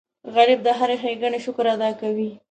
غریب د هرې ښېګڼې شکر ادا کوي